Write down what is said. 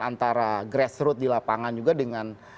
antara grassroot di lapangan juga dengan